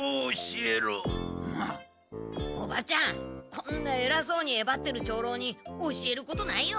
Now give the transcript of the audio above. こんなえらそうにえばってる長老に教えることないよ。